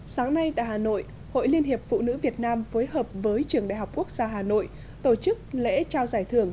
sáng nay tại hà nội hội liên hiệp phụ nữ việt nam phối hợp với trường đại học quốc gia hà nội tổ chức lễ trao giải thưởng